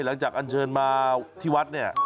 หลังจากอันเชิญมาที่วัดนี่